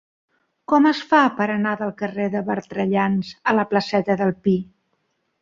Com es fa per anar del carrer de Bertrellans a la placeta del Pi?